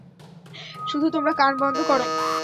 শুধু তোমরা কান বন্ধ করো।